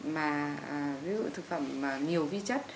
mà ví dụ thực phẩm nhiều vi chất